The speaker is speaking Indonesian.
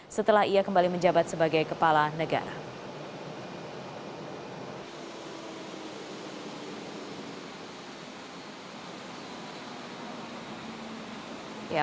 setelah ia kembali menjabat sebagai kepala negara